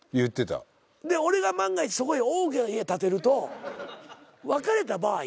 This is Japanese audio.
で俺が万が一そこへ大きな家建てると別れた場合。